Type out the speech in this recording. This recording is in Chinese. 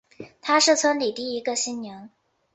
她是村里第一个新娘